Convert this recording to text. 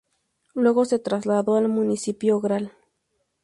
Luego se trasladó al Municipio Gral.